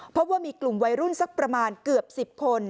เพราะว่ามีกลุ่มวัยรุ่นสักประมาณเกือบ๑๐คน